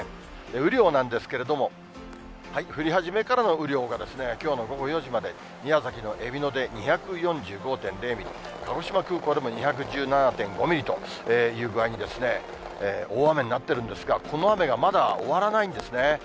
雨量なんですけれども、降り始めからの雨量が、きょうの午後４時までに、宮崎のえびので２４５．０ミリ、鹿児島空港でも２１７．５ミリという具合に、大雨になっているんですが、この雨がまだ終わらないんですね。